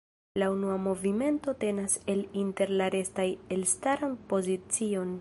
La unua movimento tenas el inter la restaj elstaran pozicion.